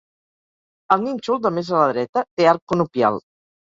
El nínxol de més a la dreta, té arc conopial.